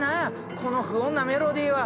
この不穏なメロディーは！